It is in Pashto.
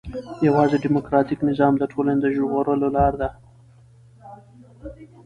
يوازي ډيموکراټيک نظام د ټولني د ژغورلو لار ده.